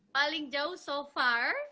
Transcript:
paling jauh so far